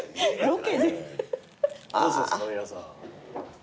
どうしますか皆さん。